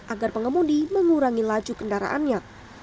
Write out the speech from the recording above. agar pengemudi mengurangi laju kendaraannya